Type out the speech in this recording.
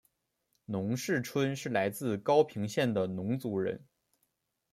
农氏春是来自高平省的侬族人。